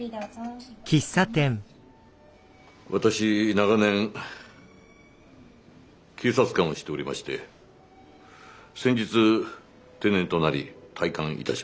私長年警察官をしておりまして先日定年となり退官いたしました。